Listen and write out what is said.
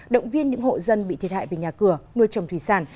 động viên những hộ dân bị thiệt hại về nhà cửa nuôi trồng thủy sản